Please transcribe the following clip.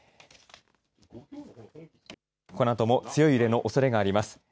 このあとも強い揺れのおそれがあります